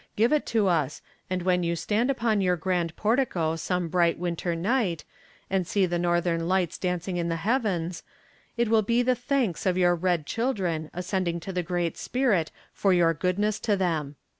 Give it to us, and when you stand upon your grand portico some bright winter night, and see the northern lights dancing in the heavens, it will be the thanks of your red children ascending to the Great Spirit for your goodness to them."